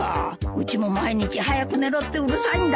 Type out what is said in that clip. うちも毎日早く寝ろってうるさいんだ。